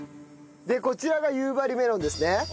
こちらが夕張メロンですね。